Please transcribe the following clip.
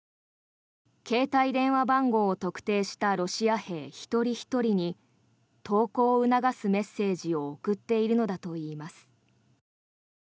携帯電話番号を特定したロシア兵一人ひとりに投降を促すメッセージを送っているのだといいます。